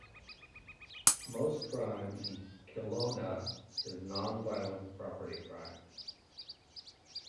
Most crime in Kelowna is non-violent property crime.